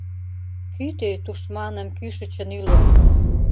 Кӱтӧ тушманым кӱшычын ӱлык —